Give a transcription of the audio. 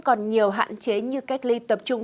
còn nhiều hạn chế như cách ly tập trung